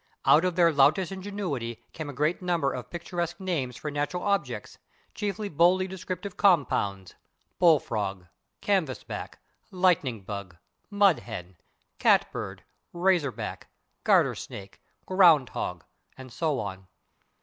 Out of their loutish ingenuity came a great number of picturesque names for natural objects, chiefly boldly descriptive compounds: /bull frog/, /canvas back/, /lightning bug/, /mud hen/, /cat bird/, /razor back/, /garter snake/, /ground hog/ and so on.